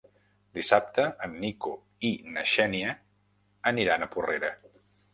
Dissabte en Nico i na Xènia aniran a Porrera.